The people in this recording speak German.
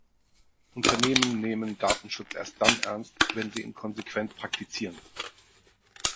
Unternehmen nehmen Datenschutz erst dann ernst, wenn sie ihn konsequent praktizieren.